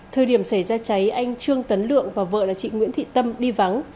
thời điểm xảy ra cháy anh trương tấn lượng và vợ là chị nguyễn thị tâm đi vắng